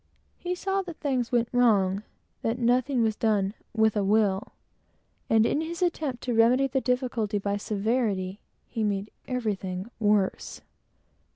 He saw that everything went wrong that nothing was done "with a will;" and in his attempt to remedy the difficulty by severity, he made everything worse.